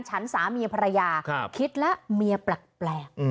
ฉันสามีภรรยาคิดแล้วเมียแปลก